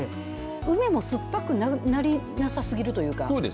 梅も酸っぱくなりなさすぎるというか。